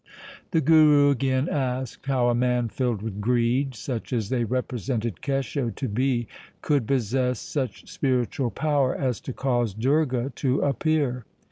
The Guru again asked how a man filled with greed, such as they represented Kesho to be, could possess such spiritual power as to cause Durga to appear.